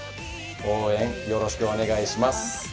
応援よろしくお願いします。